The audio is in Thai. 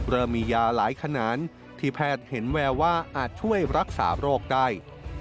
เริ่มมียาหลายขนาดที่แพทย์เห็นแววว่าอาจช่วยรักษาโรคได้